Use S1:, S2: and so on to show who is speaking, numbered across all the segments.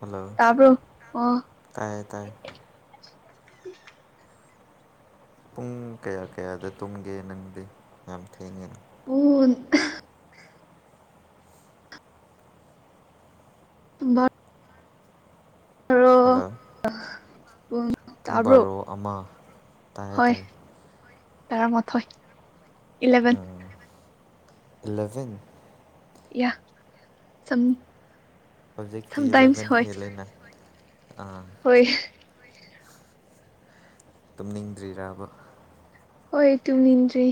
S1: hello
S2: ꯇꯥꯕ꯭ꯔꯣ ꯑꯣ
S1: ꯇꯥꯏ ꯇꯥꯏ
S2: [inaudible]
S1: ꯄꯨꯡ ꯀꯌꯥ ꯀꯌꯥꯗ ꯇꯨꯝꯒꯦ ꯅꯪꯗꯤ ꯌꯥꯝ ꯊꯦꯡꯉꯦ
S2: ꯑꯣ ꯇꯃ ꯑꯣ
S1: ꯍꯜꯂꯣ
S2: ꯄꯨꯡ ꯇꯥꯕ꯭ꯔꯣ
S1: ꯇꯥꯌꯦ ꯇꯥꯌꯦ
S2: ꯇꯔꯥ ꯃꯊꯣꯏ ꯏꯂꯚꯦꯟ
S1: ꯂꯂꯦꯚꯦꯟ
S2: ꯌꯥ ꯁ
S1: ꯍꯧꯖꯤꯛꯇꯤ ꯏꯂꯚꯦꯟ ꯍꯦꯜꯂꯦꯅ ꯑꯥ
S2: ꯍꯣꯏ
S1: ꯇꯨꯝꯅꯤꯡꯗ꯭ꯔꯤꯔꯕ
S2: ꯍ ꯇꯨꯝ ꯅꯅꯤꯗ꯭ꯔꯤ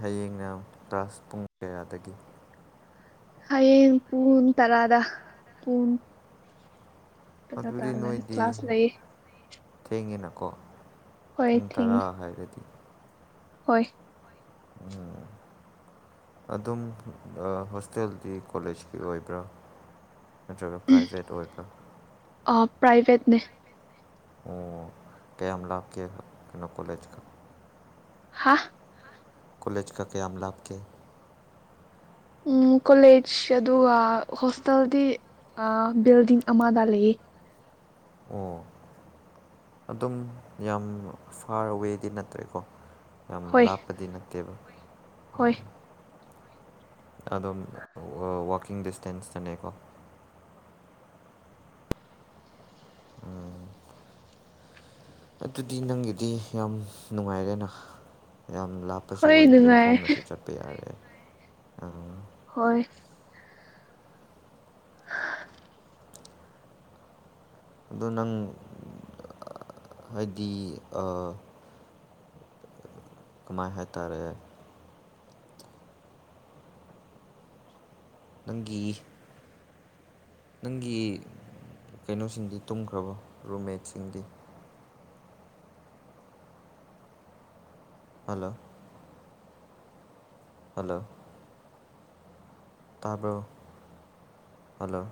S1: ꯍꯌꯦꯡ ꯅ ꯀ꯭ꯂꯥꯁ ꯄꯨꯡ ꯀꯌꯥꯗꯒꯤ
S2: ꯍꯌꯦ ꯄꯨꯡꯟ ꯇꯔꯥꯗ ꯄꯨꯡꯟ
S1: ꯑꯗꯨ ꯑꯗꯨꯗꯤ ꯅꯣꯏꯗꯤ
S2: ꯀ꯭ꯂꯥꯁ ꯂꯩꯌꯦ
S1: ꯊꯦꯡꯉꯤꯅꯀꯣ
S2: ꯍꯣꯏ
S1: ꯄꯨꯡ ꯇꯔꯥ
S2: ꯊꯤꯡ
S1: ꯍꯥꯏꯔꯗꯤ
S2: ꯍꯣꯏ
S1: ꯎꯝ ꯑꯗꯨꯝ ꯍꯣꯁꯇꯦꯜꯗꯤ ꯀꯣꯂꯦꯖꯀꯤ ꯑꯣꯏꯕ꯭ꯔꯥ ꯅꯠꯇ꯭ꯔꯒ ꯄ꯭ꯔꯥꯏꯚꯦꯠ ꯑꯣꯏꯕ
S2: ꯑ ꯄ꯭ꯔꯥꯏꯚꯦꯠꯅꯦ
S1: ꯑꯣ ꯀꯥꯌꯥꯝ ꯂꯥꯞ ꯀꯦꯕ ꯀꯩꯅꯣ ꯀꯣꯂꯦꯖ ꯀ
S2: ꯍꯥ
S1: ꯀꯣꯂꯦꯆ ꯀ ꯀꯌꯥꯝ ꯂꯥꯞꯀꯦ
S2: ꯎꯝ ꯀꯣꯂꯦꯖ ꯑꯗꯨꯒ ꯍꯣꯁꯇꯦꯜꯗꯤ ꯑ ꯕꯤꯜꯗꯤꯡ ꯑꯃꯗ ꯂꯩ
S1: ꯑꯣ ꯑꯗꯨꯝ ꯌꯥꯝ ꯐꯥꯔ ꯋꯦꯗꯤ ꯅꯠꯇ꯭ꯔꯦꯀꯣ ꯌꯥꯝ
S2: ꯍꯣꯏ
S1: ꯂꯥꯞꯄꯗꯤ ꯅꯠꯇꯦꯕ
S2: ꯍꯣꯏ
S1: ꯎꯝ ꯑꯗꯨꯝ ꯋꯥ ꯋꯀꯤꯡ ꯗꯤꯁꯇꯦꯟꯁꯇꯅꯦꯀꯣ ꯎꯝ ꯑꯗꯨꯗꯤ ꯅꯪꯒꯤꯗꯤ ꯌꯥꯝ ꯅꯨꯡꯉꯥꯏꯔꯦꯅ ꯌꯥꯝ ꯂꯥꯞꯄꯁꯨ
S2: ꯍꯣꯏ
S1: ꯑꯣꯏꯗ꯭ꯔꯦ
S2: ꯅꯨꯡꯉꯥꯏ
S1: ꯈꯣꯡꯅꯁꯨ ꯆꯠꯄ ꯌꯥꯔꯦ
S2: ꯍꯣꯏ
S1: ꯑꯗꯣ ꯅꯪ ꯍꯥꯏꯗꯤ ꯑ ꯀꯃꯥꯏ ꯍꯥꯏꯇꯥꯔꯦ ꯅꯪꯒꯤ ꯅꯪꯒꯤ ꯀꯩꯅꯣꯁꯤꯡꯗꯤ ꯇꯨꯝꯈ꯭ꯔꯕꯣ ꯔꯨꯝꯃꯦꯠꯁꯤꯡꯗꯤ ꯍꯜꯂꯣ ꯍꯜꯂꯣ ꯇꯥꯕ꯭ꯔꯣ ꯍꯜꯂꯣ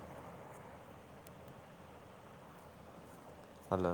S1: ꯍꯜꯂꯣ